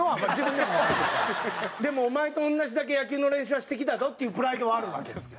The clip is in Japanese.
でもお前と同じだけ野球の練習はしてきたぞっていうプライドはあるわけですよ。